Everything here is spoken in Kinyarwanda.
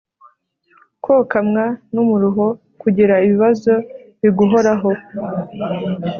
kokamwa n’umuruho: kugira ibibazo biguhoraho